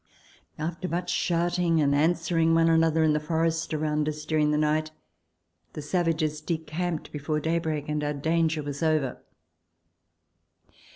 After much shouting and answering one another in the forest around us during the night, the savages decamped before daybreak, and our danger was over.